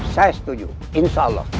saya setuju insya allah